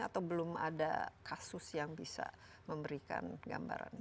atau belum ada kasus yang bisa memberikan gambaran